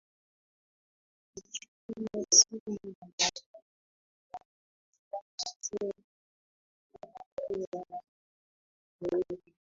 Alichukuwa simu ya Magreth na kuangalia majina na kukuta jina la George mlevi